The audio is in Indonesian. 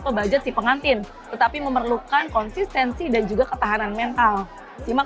ke budget si pengantin tetapi memerlukan konsistensi dan juga ketahanan mental simak